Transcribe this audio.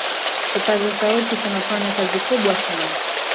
kipaza sauti kinafanya kazi kubwa sana